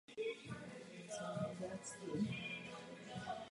Poté jim byl ale zpětně přiznán titul „doktor medicíny“.